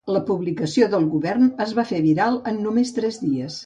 La publicació del govern es va fer viral en només tres dies.